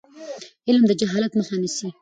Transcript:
علم د جهالت مخه نیسي.